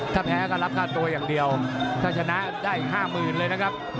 ถ้าแพ้ก็รับค่าตัวอย่างเดียวถ้าชนะได้๕๐๐๐เลยนะครับ